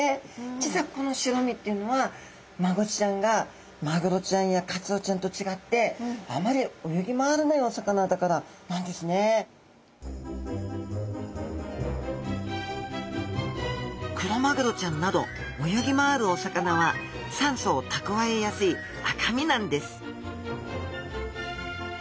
実はこの白身っていうのはマゴチちゃんがマグロちゃんやカツオちゃんと違ってクロマグロちゃんなど泳ぎ回るお魚は酸素を蓄えやすい赤身なんです